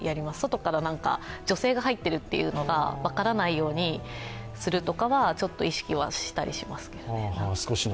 外から女性が入ってるのが分からないようにするとかは少し意識はしたりします。